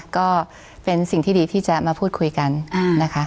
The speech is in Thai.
ก็เป็นสิ่งที่ดีที่จะมาพูดคุยกันนะคะ